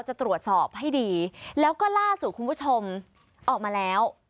จะตรวจสอบให้ดีแล้วก็ล่าสุดคุณผู้ชมออกมาแล้ว